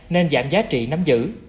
nên giảm giá trị nắm giữ